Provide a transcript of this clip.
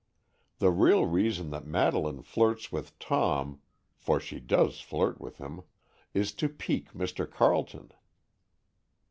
The real reason that Madeleine flirts with Tom—for she does flirt with him—is to pique Mr. Carleton.